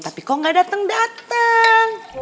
tapi kok gak dateng dateng